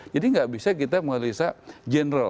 jadi tidak bisa kita mengatasi general